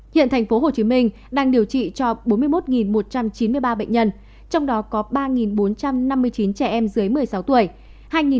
hiện tp hcm đang điều trị cho bốn mươi một một trăm chín mươi ba bệnh nhân trong đó có ba bốn trăm năm mươi chín trẻ em dưới một mươi sáu tuổi